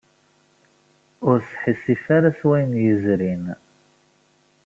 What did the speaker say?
Ur sḥissif ara s wayen yezrin.